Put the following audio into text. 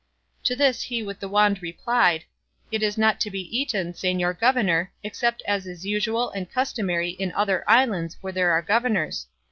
To this he with the wand replied, "It is not to be eaten, señor governor, except as is usual and customary in other islands where there are governors.